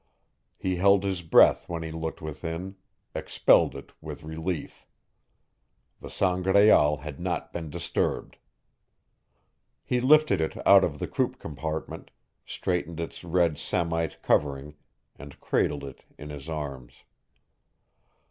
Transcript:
He held his breath when he looked within, expelled it with relief. The Sangraal had not been disturbed. He lifted it out of the croup compartment, straightened its red samite covering, and cradled it in his arms.